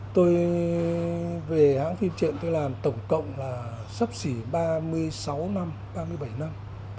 tôi về hãng phim truyện tôi làm tổng cộng là sắp xỉ ba mươi sáu năm ba mươi bảy năm